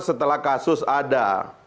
setelah kasus ada